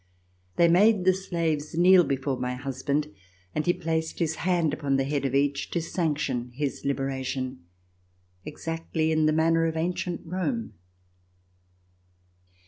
They made the slaves kneel before my husband, and he placed his hand upon the head of each to sanction his liberation, exactly in the manner of ancient Rome.